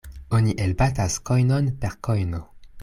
Oni elbatas kojnon per kojno.